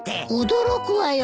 驚くわよ。